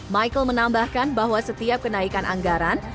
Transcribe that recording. michael menambahkan bahwa setiap kenaikan anggaran